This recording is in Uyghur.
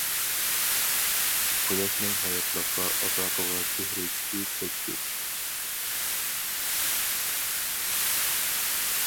قۇياشنىڭ ھاياتلىققا ئاتا قىلغان سېھرى كۈچى چەكسىز.